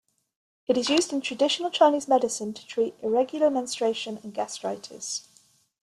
It is used in traditional Chinese medicine to treat irregular menstruation and gastritis.